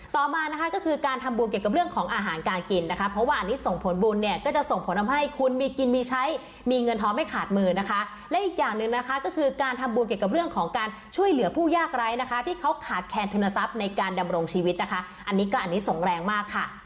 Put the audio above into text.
ต่อมานะคะก็คือการทำบุญเกี่ยวกับเรื่องของอาหารการกินนะคะเพราะว่าอันนี้ส่งผลบุญเนี่ยก็จะส่งผลทำให้คุณมีกินมีใช้มีเงินท้อไม่ขาดมือนะคะและอีกอย่างหนึ่งนะคะก็คือการทำบุญเกี่ยวกับเรื่องของการช่วยเหลือผู้ยากไร้นะคะที่เขาขาดแคนทุนทรัพย์ในการดำรงชีวิตนะคะอันนี้ก็อันนี้ส่งแรงมากค่ะ